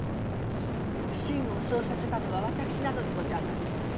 信吾をそうさせたのは私なのでございます。